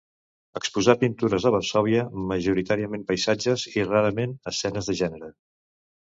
Exposà pintures a Varsòvia, majoritàriament paisatges, i rarament escenes de gènere.